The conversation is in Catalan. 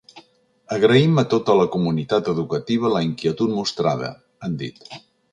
Agraïm a tota la comunitat educativa la inquietud mostrada, han dit.